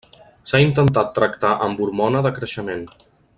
S'ha intentat tractar amb hormona de creixement.